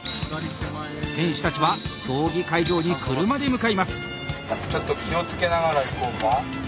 選手たちは競技会場に車で向かいます。